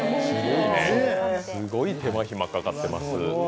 すごい手間暇かかってます。